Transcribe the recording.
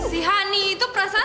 si hani itu perasaan